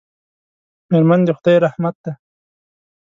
میرمن د خدای رحمت دی.